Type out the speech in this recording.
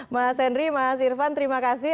mas henry mas irvan terima kasih